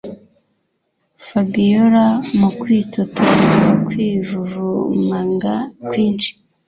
Fabiora mukwitotombakwivuvumanga kwinshi